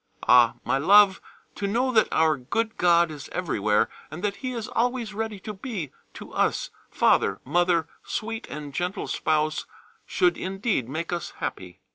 Ah! my love, to know that our good God is everywhere, and that He is always ready to be to us, Father, Mother, sweet and gentle Spouse, should indeed make us happy.